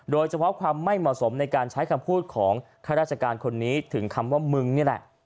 โดยเฉพาะความไม่เหมาะสมในการใช้คำพูดของข้าราชการคนนี้ถึงคำว่ามึงนี่แหละ